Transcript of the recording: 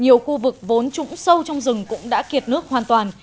nhiều khu vực vốn trũng sâu trong rừng cũng đã kiệt nước hoàn toàn